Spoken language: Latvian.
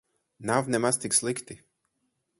Nav nemaz tik slikti.